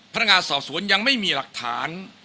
พนักงานสอบสวนยังไม่มีหลักฐาน